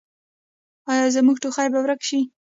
ایا زما ټوخی به ورک شي؟